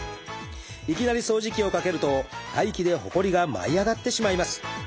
いきなり掃除機をかけると排気でほこりが舞い上がってしまいます。